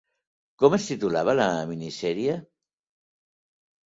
Com es titulava la minisèrie?